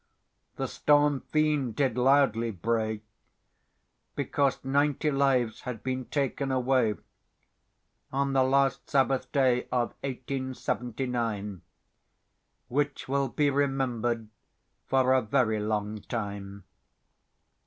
The Storm Fiend did loudly bray, Because ninety lives had been taken away, On the last Sabbath day of 1879, Which will be remember'd for a very long time.